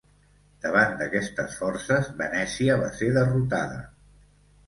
Davant d'aquestes forces Venècia va ser derrotada.